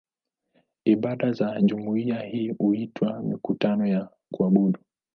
Ibada za jumuiya hii huitwa "mikutano ya kuabudu".